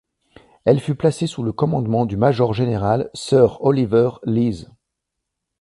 Elle fut placée sous le commandement du Major-Général Sir Oliver Leese.